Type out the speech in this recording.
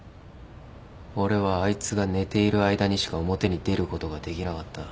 俺はあいつが寝ている間にしか表に出ることができなかった。